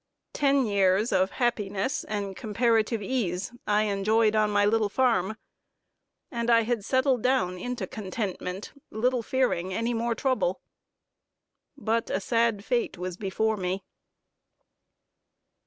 Ten years of happiness and comparative ease I enjoyed on my little farm, and I had settled down into contentment, little fearing any more trouble. But a sad fate was before me.